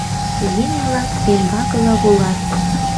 Еҥ-влак тембакыла волат.